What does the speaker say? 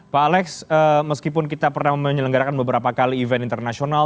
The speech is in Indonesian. pak alex meskipun kita pernah menyelenggarakan beberapa kali event internasional